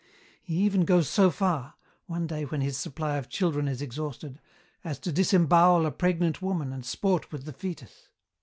He even goes so far one day when his supply of children is exhausted as to disembowel a pregnant woman and sport with the foetus.